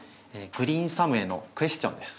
グリーンサムへのクエスチョンです。